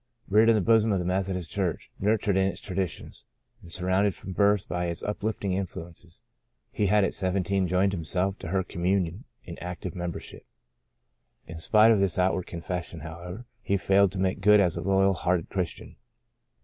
Reared in the bosom of the Methodist Church, nurtured in its traditions, and surrounded from birth by its uplifting influences, he had at seventeen joined himself to her communion in active membership. In spite of this outward confession, how ever, he failed to make good as a loyal hearted Christian.